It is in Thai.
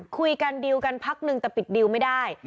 คุยกันดีลกันพักนึงแต่ปิดดิวไม่ได้